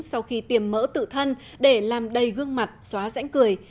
sau khi tiềm mỡ tự thân để làm đầy gương mặt xóa rãnh cười